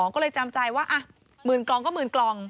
ก็เลยจำใจว่า๑๐๐๐กล่องก็๑๐๐๐กล่อง